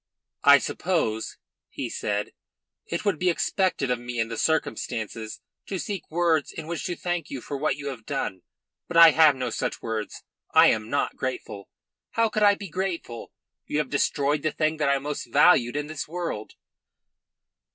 "I suppose," he said, "it would be expected of me in the circumstances to seek words in which to thank you for what you have done. But I have no such words. I am not grateful. How could I be grateful? You have destroyed the thing that I most valued in this world."